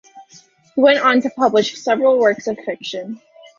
He went on to publish several works of fiction.